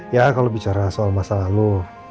ya kalau bicara soal masalah lo